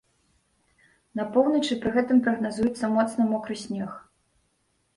На поўначы пры гэтым прагназуецца моцны мокры снег.